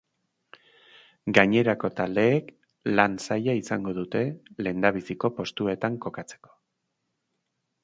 Gainerako taldeek lan zaila izango dute lehendabiziko postuetan kokatzeko.